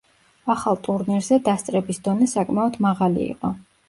ახალ ტურნირზე დასწრების დონე საკმაოდ მაღალი იყო.